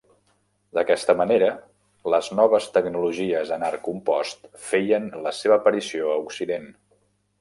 D'aquesta manera, les noves tecnologies en arc compost feien la seva aparició a Occident.